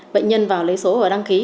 bệnh nhân vào lấy số và đăng ký